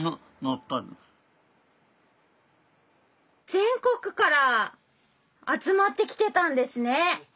全国から集まってきてたんですね。